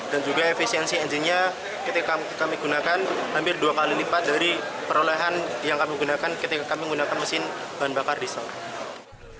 dan juga efisiensi enjinnya ketika kami gunakan hampir dua kali lipat dari perolehan yang kami gunakan ketika kami gunakan mesin bahan bakar diesel